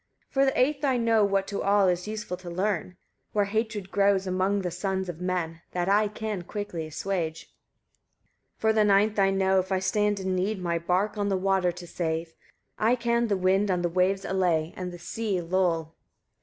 155. For the eighth I know, what to all is useful to learn: where hatred grows among the sons of men that I can quickly assuage. 156. For the ninth I know, if I stand in need my bark on the water to save, I can the wind on the waves allay, and the sea lull.